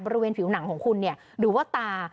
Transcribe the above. บริเวณผิวหนังของคุณเนี่ยหรือตา